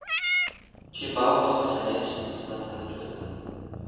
Чи баавгайгаас айж сандарснаа санаж байна уу?